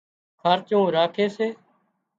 کارچُون راکي سي